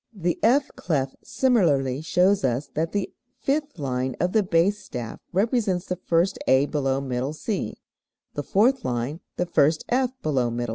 The F clef similarly shows us that the fifth line of the bass staff represents the first A below middle C, the fourth line the first F below middle C, etc.